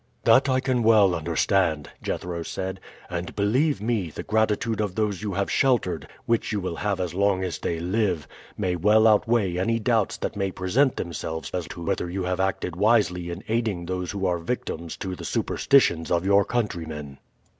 "That I can well understand," Jethro said; "and believe me, the gratitude of those you have sheltered, which you will have as long as they live, may well outweigh any doubts that may present themselves as to whether you have acted wisely in aiding those who are victims to the superstitions of your countrymen."